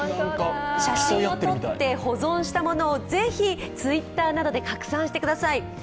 写真を撮って保存したものをぜひＴｗｉｔｔｅｒなどで拡散してください。